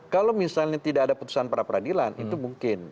kalau misalnya tidak ada putusan pra peradilan itu mungkin